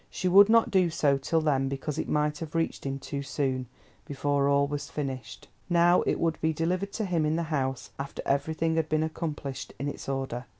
She would not do so till then because it might have reached him too soon—before all was finished! Now it would be delivered to him in the House after everything had been accomplished in its order.